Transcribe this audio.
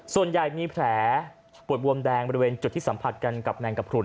ส่วนใหญ่มีแผลปวดบวมแดงบริเวณจุดที่สัมผัสกันกับแมงกระพรุน